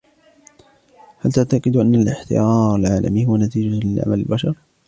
هل تعتقد أن الاحترار العالمي هو نتيجة لعمل البشر ؟